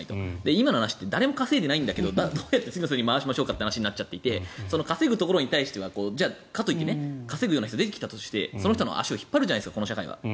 今の話って誰も稼いでいないんだけど次の世代に回しましょうかという話になっちゃっていて稼ぐところに対しては、稼ぐ人が出てきたとして、その人の足を引っ張るじゃないですか社会が。